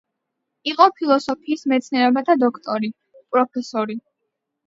იყო ფილოსოფიის მეცნიერებათა დოქტორი, პროფესორი.